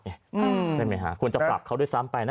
ใช่ไหมคะควรจะปรับเขาด้วยซ้ำไปนะ